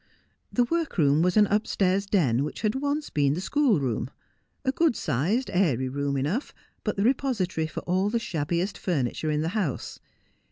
The workroom was an upstairs den which had once been the schoolroom — a good sized, airy room enough, but the repository for all the shabbiest furniture in the house.